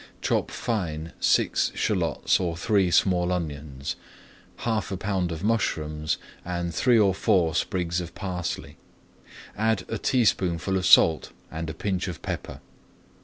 Chop fine six shallots or three small onions, half a pound of mushrooms, and three or four sprigs of parsley. Add a teaspoonful of salt, and a pinch of pepper.